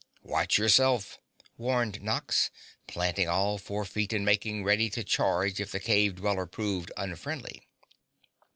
"Watch yourself!" warned Nox, planting all four feet and making ready to charge if the cave dweller proved unfriendly.